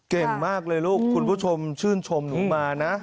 เก่งมากเลยลูกคุณผู้ชมชื่นชมหนูมานะ